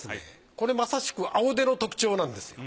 これまさしく青手の特徴なんです。